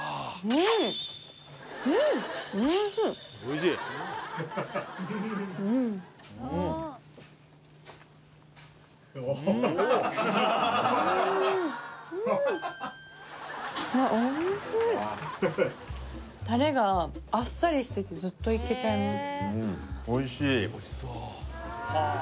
うんタレがあっさりしててずっといけちゃいます